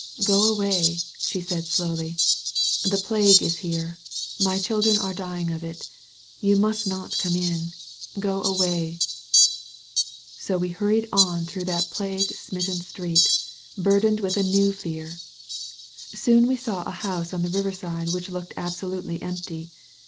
"Go away," she said slowly; "the plague is here. My children are dying of it. You must not come in ! Go away." So we hurried on through that plague smitten street, burdened with a new fear. Soon we saw a house on the riverside which looked absolutely empty.